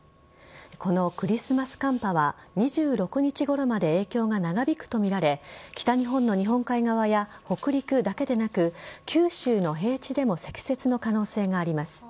このクリスマス寒波は２６日ごろまで影響が長引くとみられ北日本の日本海側や北陸だけでなく九州の平地でも積雪の可能性があります。